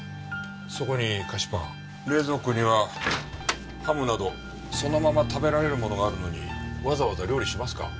そこに菓子パン冷蔵庫にはハムなどそのまま食べられるものがあるのにわざわざ料理しますか？